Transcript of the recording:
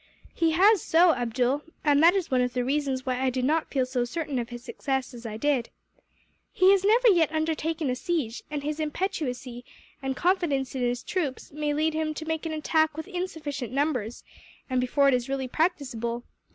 "He has so, Abdool, and that is one of the reasons why I do not feel so certain of his success as I did. He has never yet undertaken a siege, and his impetuosity and confidence in his troops may lead him to make an attack with insufficient numbers, and before it is really practicable.